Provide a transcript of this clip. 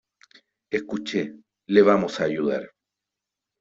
escuche , les vamos a ayudar .